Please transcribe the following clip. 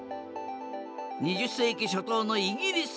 ２０世紀初頭のイギリス。